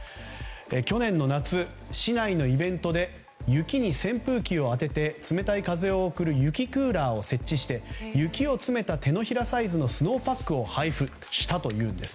去年の夏市内のイベントで雪に扇風機を当てて冷たい風を送る雪クーラーを設置し雪を詰めた手のひらサイズのスノーパックを配布したというんです。